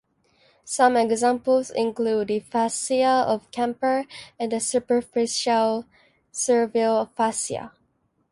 Some examples include the Fascia of Camper and the superficial cervical fascia.